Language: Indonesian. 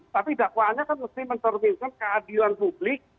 tapi dakwaannya kan mesti mencerminkan keadilan publik